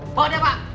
mau dia pak